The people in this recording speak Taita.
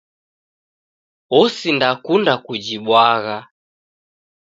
Osindakunda kujibwagha